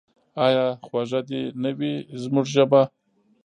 آیا خوږه دې نه وي زموږ ژبه؟